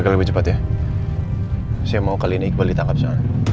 kita itu gak bisa dipaksa